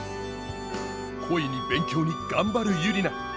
恋に勉強に頑張るユリナ。